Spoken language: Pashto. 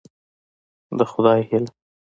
د خدای هيله